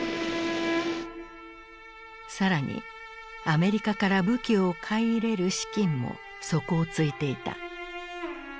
更にアメリカから武器を買い入れる資金も底をついていた。